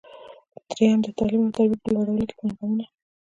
درېیم: د تعلیم او تربیې په لوړولو کې پانګونه.